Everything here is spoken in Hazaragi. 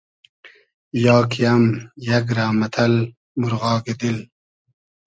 یا کی ام یئگ رۂ مئتئل مورغاگی دیل